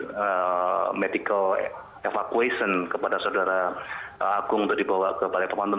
jadi medical evacuation kepada saudara agung untuk dibawa ke balai pemantun